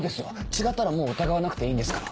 違ったらもう疑わなくていいんですから。